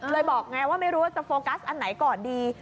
บอกไงว่าไม่รู้ว่าจะโฟกัสอันไหนก่อนดี